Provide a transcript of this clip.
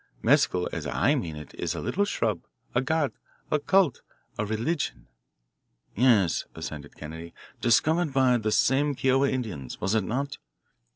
Mescal as I mean it is a little shrub, a god, a cult, a religion." "Yes," assented Kennedy; "discovered by those same Kiowa Indians, was it not?"